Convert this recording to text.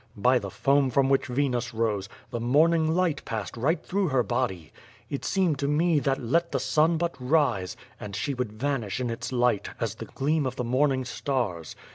^ By the foam from which Venus rose, the morning light^ passed right through her body. It seemed to me that let the sun but rise, and she woidd vanish in its light, as the gleam of the morning stars.